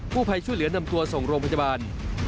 ผู้ภัยช่วยเหลือนำตัวส่งโรงพยาบาล